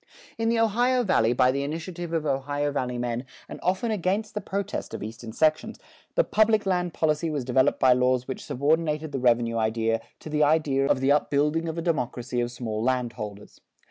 In the Ohio Valley, by the initiative of Ohio Valley men, and often against the protest of Eastern sections, the public land policy was developed by laws which subordinated the revenue idea to the idea of the upbuilding of a democracy of small landholders.